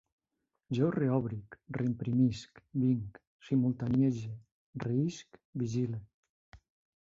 Jo reòbric, reimprimisc, vinc, simultaniege, reïsc, vigile